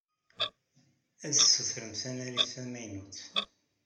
Ad ssutren tanarit tamaynut.